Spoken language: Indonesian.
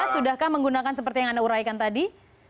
dua ribu sebelas sudahkah menggunakan seperti yang anda uraikan tadi